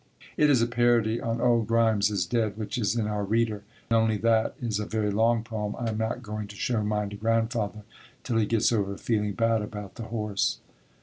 It is a parody on old Grimes is dead, which is in our reader, only that is a very long poem. I am not going to show mine to Grandfather till he gets over feeling bad about the horse.